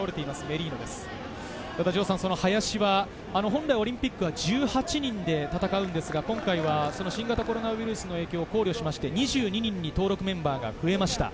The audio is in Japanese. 林は本来オリンピックは１８人で戦うのですが、今回は新型コロナウイルスの影響を考慮して２２人に登録メンバーが増えました。